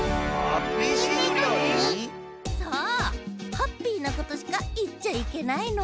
ハッピーなことしかいっちゃいけないの。